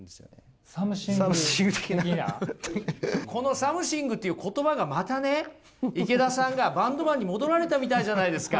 この「サムシング」って言葉がまたね池田さんがバンドマンに戻られたみたいじゃないですか。